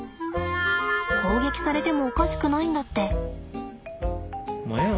攻撃されてもおかしくないんだって。